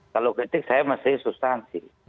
kalau kritik saya mesti substansi